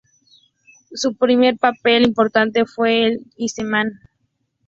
Su primer papel importante fue en "Iceman.